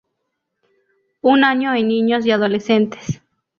Un año en niños y adolescentes.